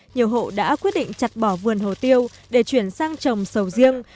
nhiều hộ đã quyết định chặt bỏ vườn hồ tiêu để chuyển sang trồng sầu riêng